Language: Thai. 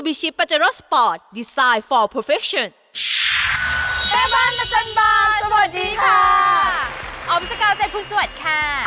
อ๋อพิศกาลใจพุทธสวัสดิ์ค่ะ